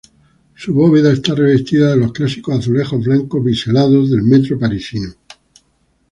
Su bóveda está revestida de los clásicos azulejos blancos biselados del metro parisino.